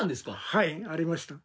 はいありました。